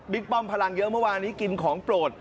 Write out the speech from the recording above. ป้อมพลังเยอะเมื่อวานนี้กินของโปรด